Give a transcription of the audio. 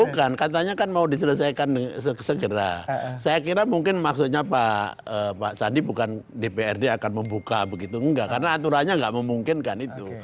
bukan katanya kan mau diselesaikan segera saya kira mungkin maksudnya pak sandi bukan dprd akan membuka begitu enggak karena aturannya nggak memungkinkan itu